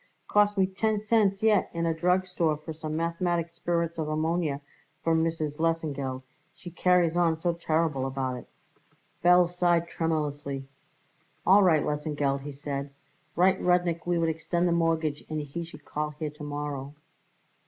Cost me ten cents yet in a drug store for some mathematic spirits of ammonia for Mrs. Lesengeld she carries on so terrible about it." Belz sighed tremulously. "All right, Lesengeld," he said; "write Rudnik we would extend the mortgage and he should call here to morrow."